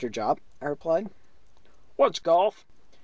Jopp?" I replied. "What's golf?"